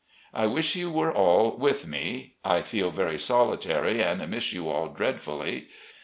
... I wish you were all with me. I feel very solitary and miss you all dreadfully.